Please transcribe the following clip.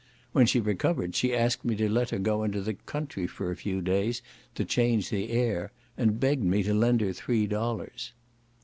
When she recovered, she asked me to let her go into the country for a few days, to change the air, and begged me to lend her three dollars.